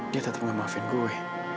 dia tetap gak maafin gue